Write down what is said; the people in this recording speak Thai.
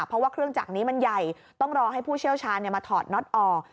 เพราะว่าเครื่องจักรนี้มันใหญ่ต้องรอให้ผู้เชี่ยวชาญมาถอดน็อตออก